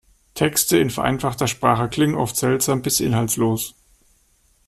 Texte in vereinfachter Sprache klingen oft seltsam bis inhaltslos.